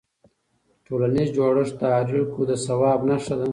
ټولنیز جوړښت د اړیکو د ثبات نښه ده.